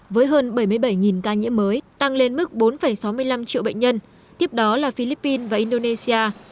với hơn bảy mươi bảy ca nhiễm mới tăng lên mức bốn sáu mươi năm triệu bệnh nhân tiếp đó là philippines và indonesia